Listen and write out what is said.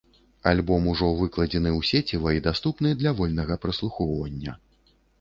Альбом ужо выкладзены ў сеціва і даступны для вольнага праслухоўвання.